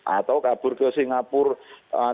atau kabur ke singapura